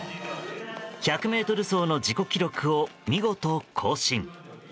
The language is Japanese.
１００ｍ走の自己記録を見事更新。